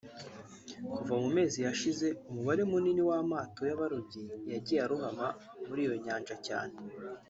Kuva mu mezi yashize umubare munini w’amato y’abarobyi yagiye arohama muri iyo Nyanja cyane